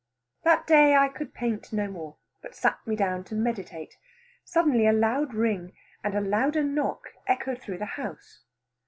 That day I could paint no more, but sat me down to meditate. Suddenly a loud ring and a louder knock echoed through the house.